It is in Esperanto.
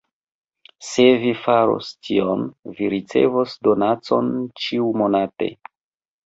Se vi faros tion, vi ricevos donacon ĉiu-monate.